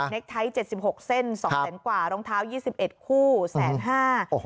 นิกไทท์๗๖เส้น๒แสนกว่ารองเท้า๒๑คู่๑๕๐๐๐๐บาท